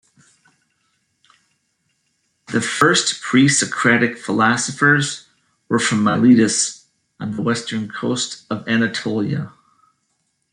The first Presocratic philosophers were from Miletus on the western coast of Anatolia.